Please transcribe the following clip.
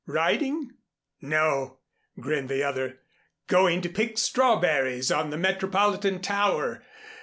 Riding?" "No," grinned the other, "going to pick strawberries on the Metropolitan Tower.